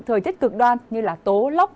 thời tiết cực đoan như tố lốc